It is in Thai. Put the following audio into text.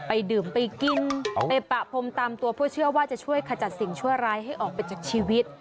ดื่มไปกินไปปะพรมตามตัวเพื่อเชื่อว่าจะช่วยขจัดสิ่งชั่วร้ายให้ออกไปจากชีวิต